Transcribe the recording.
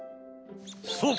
そう！